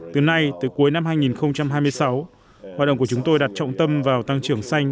từ nay tới cuối năm hai nghìn hai mươi sáu hoạt động của chúng tôi đặt trọng tâm vào tăng trưởng xanh